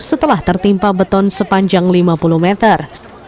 setelah tertimpa beton sepanjang lima puluh meter